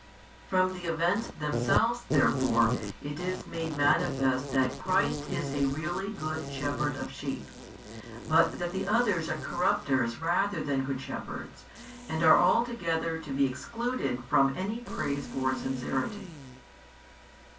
From the events themselves therefore it is made manifest that Christ is a really Good Shepherd of sheep, but that the others are corrupters rather than good [shepherds] and are altogether to be excluded from any praise for sincerity.